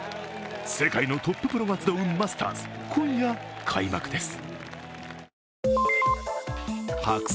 世界のトッププロが集うマスターズ、今夜開幕です。